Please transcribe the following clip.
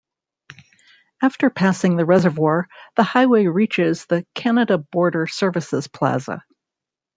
After passing the reservoir, the highway reaches the Canada Border Services plaza.